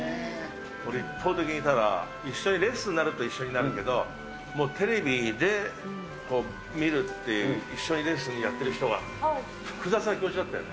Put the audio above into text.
俺、一方的に、一緒にレッスンになるんだけど、もうテレビで見るっていう、一緒にレッスンやってる人が、複雑な気持ちだったよね。